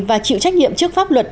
và chịu trách nhiệm trước pháp luật